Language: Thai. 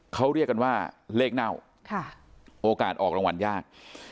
เขาเรียกกันว่าเลขเน่าโอกาสออกรางวัลยาก